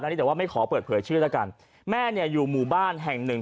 อันนี้แต่ว่าไม่ขอเปิดเผยชื่อแล้วกันแม่เนี่ยอยู่หมู่บ้านแห่งหนึ่ง